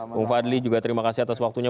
bung fadli juga terima kasih atas waktunya